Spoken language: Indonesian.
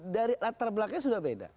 dari latar belakangnya sudah beda